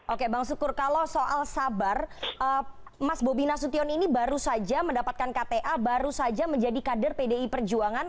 oke bang sukur kalau soal sabar mas bobi nasution ini baru saja mendapatkan kta baru saja menjadi kader pdi perjuangan